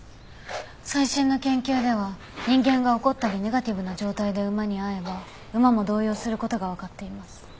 最新の研究では人間が怒ったりネガティブな状態で馬に会えば馬も動揺する事がわかっています。